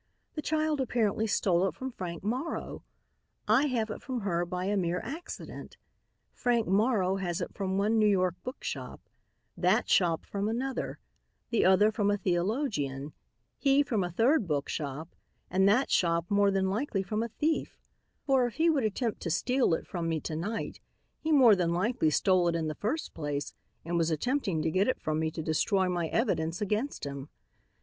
The child apparently stole it from Frank Morrow; I have it from her by a mere accident; Frank Morrow has it from one New York book shop; that shop from another; the other from a theologian; he from a third book shop; and that shop more than likely from a thief, for if he would attempt to steal it from me to night, he more than likely stole it in the first place and was attempting to get it from me to destroy my evidence against him.